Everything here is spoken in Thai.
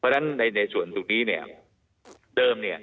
เพราะนั้นในส่วนสุดวันนี้